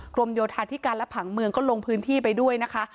กรมโยธาธิการและผังเมืองก็ลงพื้นที่ไปด้วยนะคะ